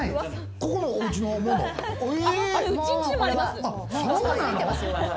ここのうちのもの。